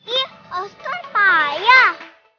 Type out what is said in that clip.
ih oscar payah